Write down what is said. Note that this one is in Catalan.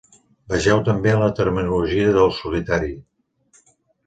Vegeu també la terminologia del solitari.